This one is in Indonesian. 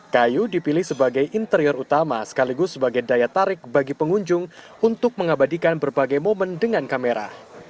kayu dipilih sebagai interior utama sekaligus sebagai daya tarik bagi pengunjung untuk mengabadikan berbagai momen dengan kamera